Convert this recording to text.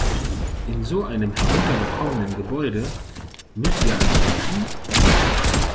In so einem heruntergekommenen Gebäude müsst ihr also lernen?